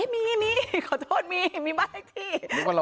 มีขอโทษมีบ้านเล็กที่